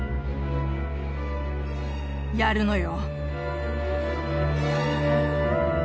やるのよ。